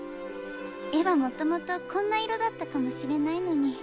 絵はもともとこんな色だったかもしれないのに。